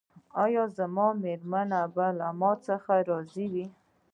ایا زما میرمن به له ما څخه راضي وي؟